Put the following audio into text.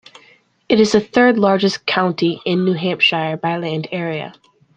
It is the third-largest county in New Hampshire by land area.